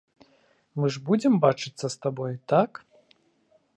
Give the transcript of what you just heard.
Мы ж будзем бачыцца з табой, так?